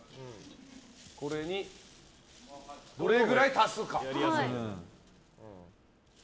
これにどれくらい足すか。